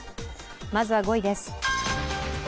まずは５位です。